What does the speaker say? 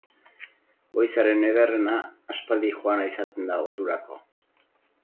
Goizaren ederrena aspaldi joana izaten da ordurako.